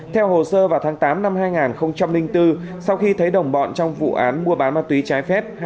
theo hồ sơ vào tháng tám năm hai nghìn bốn sau khi thấy đồng bọn trong vụ án mua bán ma túy trái phép